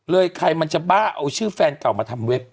ใครมันจะบ้าเอาชื่อแฟนเก่ามาทำเว็บ